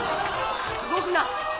動くな。